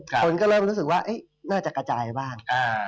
คนก็เริ่มรู้สึกว่าน่าจะกระจายบ้าง